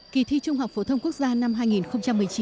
kỳ thi trung học phổ thông quốc gia năm hai nghìn một mươi chín